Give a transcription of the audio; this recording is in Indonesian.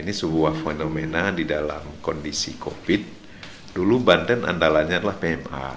ini sebuah fenomena di dalam kondisi covid dulu banten andalanya adalah pma